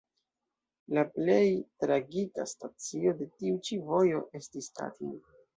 La plej tragika stacio de tiu ĉi vojo estis Katin.